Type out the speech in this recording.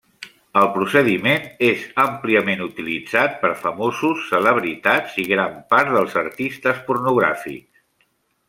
El procediment és àmpliament utilitzat per famosos, celebritats i gran part dels artistes pornogràfics.